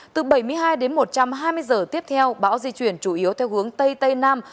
từ bảy mươi hai đến một trăm hai mươi giờ tiếp theo bão di chuyển chủ yếu theo hướng tây tây nam